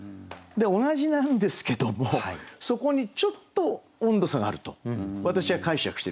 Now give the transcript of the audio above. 同じなんですけどもそこにちょっと温度差があると私は解釈してるんで。